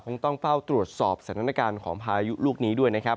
ต้องเฝ้าตรวจสอบสถานการณ์ของพายุลูกนี้ด้วยนะครับ